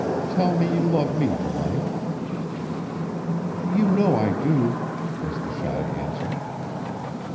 Tell me you love me, Delight." "You know I do," was the shy answer.